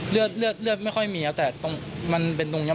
เรือดเรือดไม่ค่อยมีแต่ผมต้องมันเป็นตรงนี้